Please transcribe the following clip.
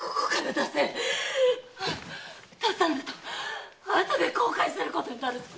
出さぬとあとで後悔することになるぞ！